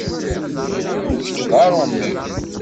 Kečč d aṛumi.